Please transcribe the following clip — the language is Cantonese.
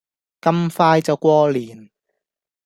咁快就過年